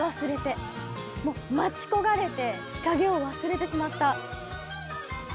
もう待ち焦がれて日陰を忘れてしまった。